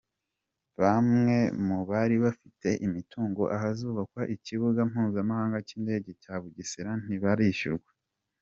Bambwe mu bari bafite imitungo ahazubakwa Ikibuga Mpuzamahanga cy’Indege cya Bugesera ntibarishyurwa.